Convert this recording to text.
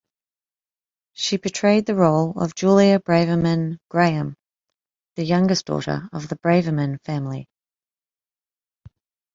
She portrayed the role of Julia Braverman-Graham, the youngest daughter of the Braverman family.